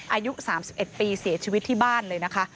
อายุ๓๑ปีเสียชีวิตที่บ้านเลยนะคะ